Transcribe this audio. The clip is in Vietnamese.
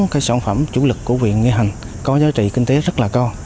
cái sản phẩm chủ lực của huyện nghĩa hành có giá trị kinh tế rất là cao